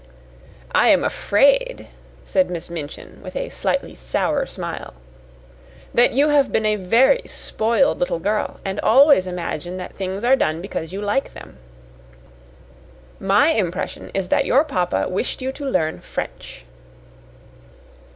"I am afraid," said Miss Minchin, with a slightly sour smile, "that you have been a very spoiled little girl and always imagine that things are done because you like them. My impression is that your papa wished you to learn French."